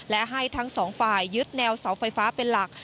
และให้ทั้งสองฝ่ายยึดแนวเสาไฟฟ้าเป็นหลัก